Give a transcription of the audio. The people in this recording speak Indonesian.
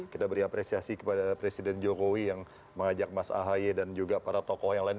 kita beri apresiasi kepada presiden jokowi yang mengajak mas ahaye dan juga para tokoh yang lain